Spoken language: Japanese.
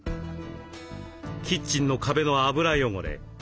キッチンの壁の油汚れ。